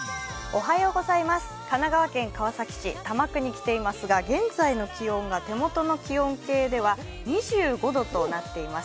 神奈川県川崎市多摩区に来ていますが現在の気温が２５度となっています。